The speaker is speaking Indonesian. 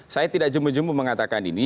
saya tidak jumbo jumbo mengatakan ini